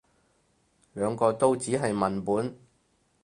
兩個都只係文本